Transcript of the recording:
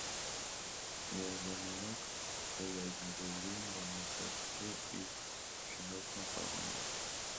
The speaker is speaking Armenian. Միաժամանակ կը յայտնաբերուին բանաստեղծի իր շնորհքն ու տաղանդը։